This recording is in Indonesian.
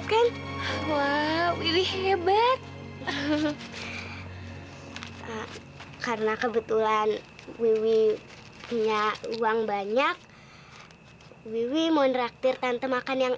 banget kan wow ini hebat karena kebetulan wiwi punya uang banyak wiwi monraktir tante makan yang